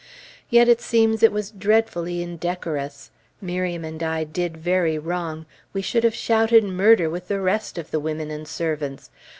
Yet it seems it was dreadfully indecorous; Miriam and I did very wrong; we should have shouted murder with the rest of the women and servants.